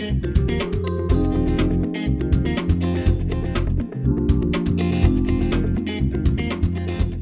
pertama pembukaan produk tersebut